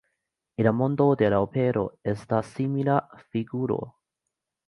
En la mondo de la opero esta simila figuro.